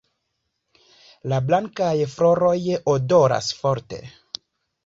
La blankaj floroj odoras forte.